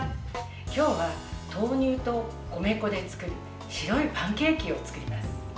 今日は、豆乳と米粉で作る白いパンケーキを作ります。